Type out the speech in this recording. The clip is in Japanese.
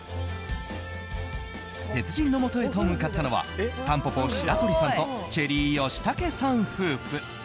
鉄人のもとへと向かったのはたんぽぽ白鳥さんとチェリー吉武さん夫婦。